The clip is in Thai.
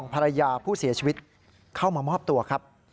ภรรยาผู้เสียชีวิตเข้ามามอบตัวครับ